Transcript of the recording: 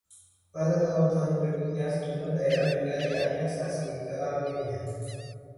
Pada tahun-tahun berikutnya, sejumlah daerah juga dianeksasi ke Armenia.